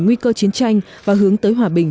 nguy cơ chiến tranh và hướng tới hòa bình